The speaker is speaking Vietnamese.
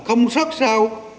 không sót sao